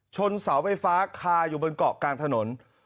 เสาไฟฟ้าคาอยู่บนเกาะกลางถนน